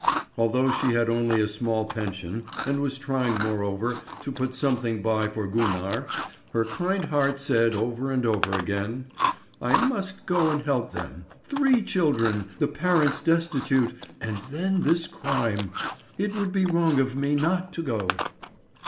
Although she had only a small pension, and was trying moreover to put something by for Gunnar, her kind heart said over and over again: "I must go and help them. Three children, the parents destitute, and then this crime! It would be wrong of me not to go."